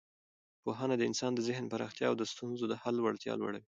پوهنه د انسان د ذهن پراختیا او د ستونزو د حل وړتیا لوړوي.